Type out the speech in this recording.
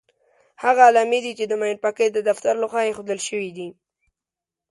هغه علامې دي چې د ماین پاکۍ د دفتر لخوا ايښودل شوې دي.